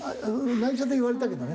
内緒で言われたけどね。